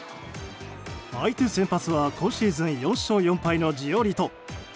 相手先発は今シーズン４勝４敗のジオリト。